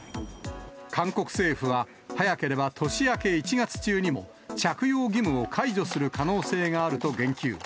韓国政府は、早ければ年明け１月中にも、着用義務を解除する可能性があると言及。